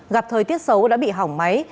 gặp thời tiết xấu đã bị hỏng máy